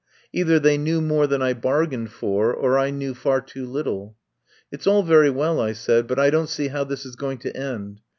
Either they knew more than I bargained for or I knew far too little. "It's all very well," I said, "but I don't see how this is going to end.